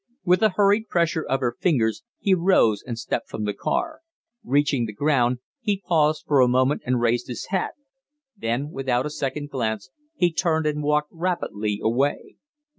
With a hurried pressure of her fingers he rose and stepped from the car. Reaching the ground, he paused for a moment and raised his hat; then, without a second glance, he turned and walked rapidly away.